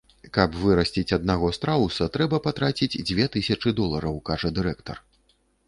Каб вырасціць аднаго страуса, трэба патраціць дзве тысячы долараў, кажа дырэктар.